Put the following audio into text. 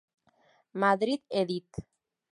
Madrid, Edit.